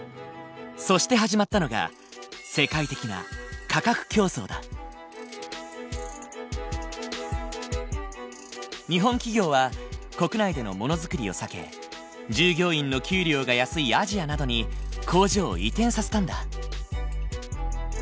そして始まったのが世界的な日本企業は国内でのものづくりを避け従業員の給料が安いアジアなどに工場を移転させたんだ。